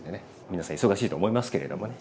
皆さん忙しいと思いますけれどもね